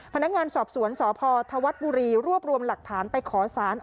พนักงานสอบสวนสพธวัฒน์บุรีรวบรวมหลักฐานไปขอสาร